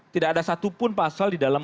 tidak ada satupun pasal di dalam